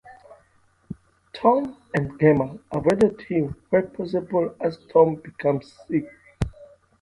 Tom and Gemma avoid him where possible as Tom becomes sick.